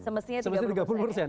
semestinya tiga puluh persen